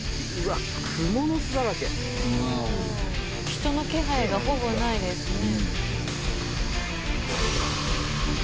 人の気配がほぼないですね。